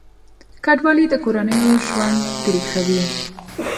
کډوالي د کورنیو ژوند تریخوي.